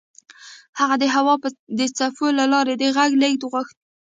هغه د هوا د څپو له لارې د غږ لېږد غوښت